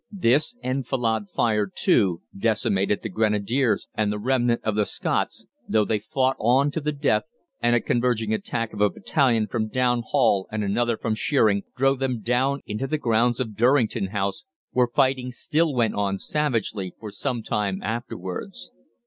This enfilade fire, too, decimated the Grenadiers and the remnant of the Scots, though they fought on to the death, and a converging attack of a battalion from Down Hall and another from Sheering drove them down into the grounds of Durrington House, where fighting still went on savagely for some time afterwards.